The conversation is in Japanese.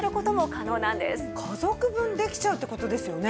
家族分できちゃうって事ですよね。